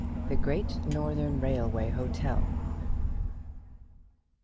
THE GREAT NORTHERN RAILWAY HOTEL.